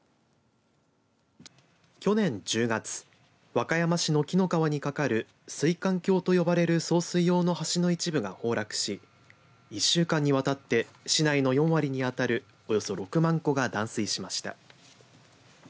去年１０月和歌山市の紀の川にかかる水管橋と呼ばれる送水用の橋の一部が崩落し１週間にわたって市内の４割に当たるおよそ６万戸が断水しました。